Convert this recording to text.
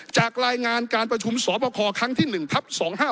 จากรายงานการประชุมสอบคอครั้งที่๑ทัพ๒๕๖